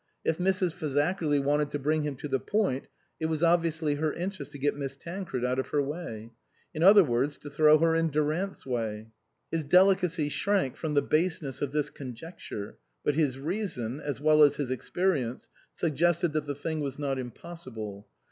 If Mrs. Fazakerly wanted to bring him to the point it was obviously her interest to get Miss Tancred out of her way. In other words, to throw her in Durant's way. His delicacy shrank from the baseness of this conjecture, but his reason, as well as his experience, suggested that the thing was not impossible.